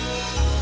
ih jangan aja dong